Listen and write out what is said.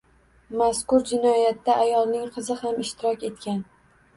Mazkur jinoyatda ayolning qizi ham ishtirok etgan